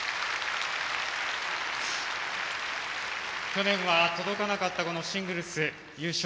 去年は届かなかったこのシングルス優勝。